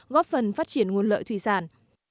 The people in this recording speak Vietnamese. góp phần phát triển nguồn lợi thủy sản